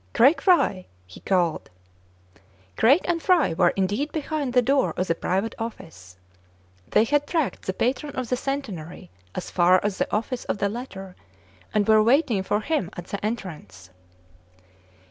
"Craig Fry!" he called. Craig and Fry were indeed behind the door of the private office. They had '* tracked " the patron of the Centenary as far as the office of the latter, and were waiting for him at the entrance.